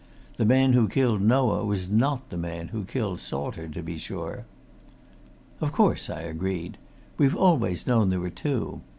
The man who killed Noah was not the man who killed Salter, to be sure." "Of course!" I agreed. "We've always known there were two.